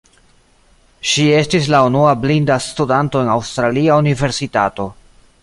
Ŝi estis la unua blinda studanto en Aŭstralia universitato.